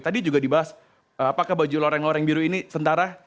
tadi juga dibahas apakah baju loreng loreng biru ini sentara